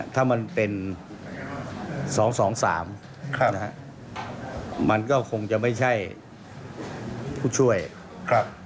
ถ้ามันเป็น๒๒๓นะฮะมันก็คงจะไม่ใช่ผู้ช่วยครับ